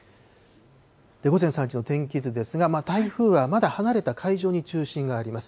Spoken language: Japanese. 午前３時の天気図ですが、台風はまだ離れた海上に中心があります。